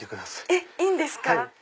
えっいいんですか